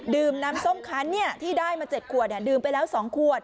น้ำส้มคันที่ได้มา๗ขวดดื่มไปแล้ว๒ขวด